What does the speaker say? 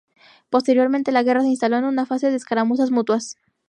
Posteriormente, la guerra se instaló en una fase de escaramuzas mutuas.